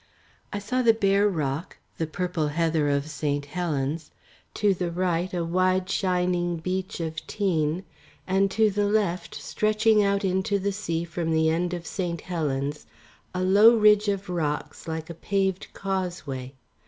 I saw the bare rock, the purple heather of St. Helen's, to the right a wide shining beach of Tean, and to the left stretching out into the sea from the end of St. Helen's a low ridge of rocks like a paved causeway.